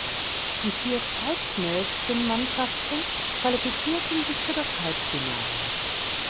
Die vier zeitschnellsten Mannschaften qualifizierten sich für das Halbfinale.